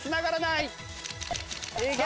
いけ！